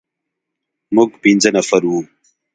موږ پنځه نفر وو.